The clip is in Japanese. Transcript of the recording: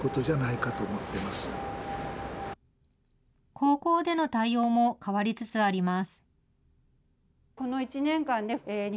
高校での対応も変わりつつあります。